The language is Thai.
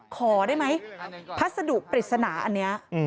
ขอได้ไหมพัสดุปริศนาอันนี้